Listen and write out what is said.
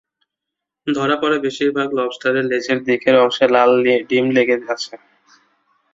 ধরা পড়া বেশির ভাগ লবস্টারের লেজের দিকের অংশে লাল ডিম লেগে আছে।